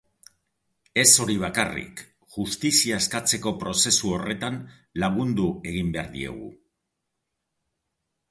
Ez hori bakarrik, justizia eskatzeko prozesu horretan lagundu egin behar diegu.